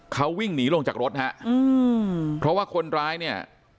เขาวิ่งหนีลงจากรถฮะอืมเพราะว่าคนร้ายเนี่ย